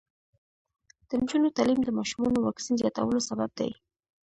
د نجونو تعلیم د ماشومانو واکسین زیاتولو سبب دی.